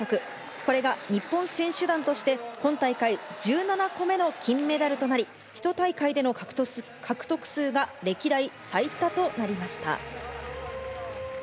これが日本選手団として、今大会１７個目の金メダルとなり、１大会での獲得数が歴代最多となりました。